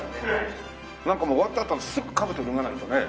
なんか終わったあとすぐかぶと脱がないとね。